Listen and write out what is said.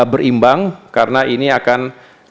berimbang karena ini akan